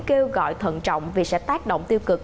kêu gọi thận trọng vì sẽ tác động tiêu cực